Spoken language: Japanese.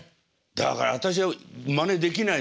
だから私はまねできないですよ。